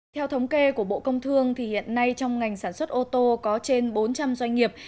theo thống kê của bộ công thương thì hiện nay trong ngành sản xuất ô tô có trên bốn trăm linh doanh nghiệp